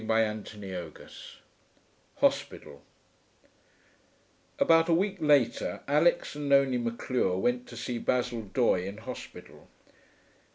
CHAPTER VII HOSPITAL 1 About a week later, Alix and Nonie Maclure went to see Basil Doye in hospital.